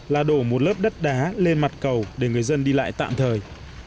là đổ một lớp đất đá lên mặt cầu để người dân đi lại tạm thời